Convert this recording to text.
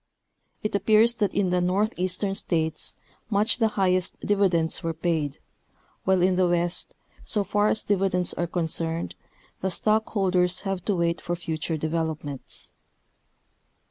It appears that in the northeastern states much the high est dividends were paid, while in the west, so far as dividends are concerned, the stockholders have to Avait for future develop ments.